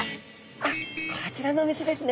あこちらのお店ですね！